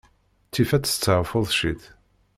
Ttif ad testaɛfuḍ ciṭ.